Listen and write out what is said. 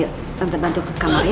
ayo mantap bantu ke kamar ya